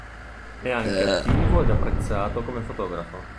È anche attivo ed apprezzato come fotografo.